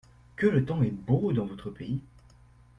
Que le temps est beau dans votre pays !